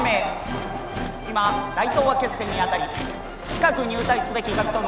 今大東亜決戦にあたり近く入隊すべき学徒の。